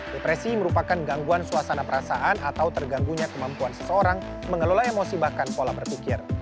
depresi merupakan gangguan suasana perasaan atau terganggunya kemampuan seseorang mengelola emosi bahkan pola berpikir